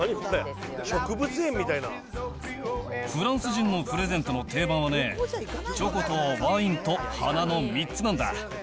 フランス人のプレゼントの定番はね、チョコとワインと花の３つなんだ。